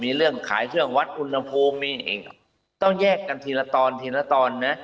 มีเรื่องขายเครื่องวัดอุณพงษ์ต้องแยกกันทีละตอน